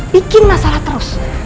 bikin masalah terus